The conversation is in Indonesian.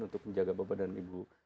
untuk menjaga bapak dan ibu